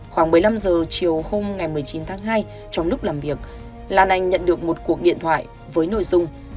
khoảng một mươi năm h chiều hôm một mươi chín tháng hai trong lúc làm việc lan anh nhận được một cuộc điện thoại với nội dung